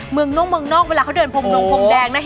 เมืองนอกเมืองนอกเวลาเขาเดินพรมนงพรมแดงนะ